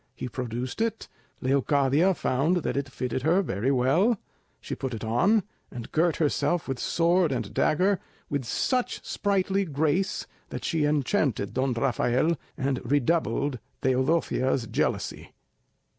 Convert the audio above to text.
He produced it, Leocadia found that it fitted her very well, she put it on, and girt herself with sword and dagger with such sprightly grace that she enchanted Don Rafael, and redoubled Teodosia's jealousy.